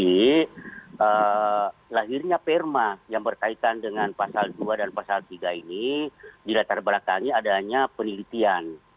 jadi lahirnya perma yang berkaitan dengan pasal dua dan pasal tiga ini di latar belakangnya adanya penelitian